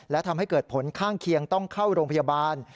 และทำให้เกิดผลข้างเคียงต้องเข้าโรงพยาบาล